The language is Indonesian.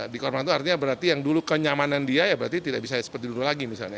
dikorban itu artinya berarti yang dulu kenyamanan dia ya berarti tidak bisa seperti dulu lagi misalnya